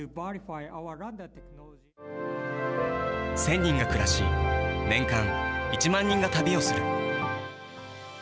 １０００人が暮らし、年間１万人が旅をする。